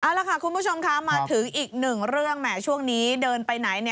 เอาล่ะค่ะคุณผู้ชมคะมาถึงอีกหนึ่งเรื่องแหมช่วงนี้เดินไปไหน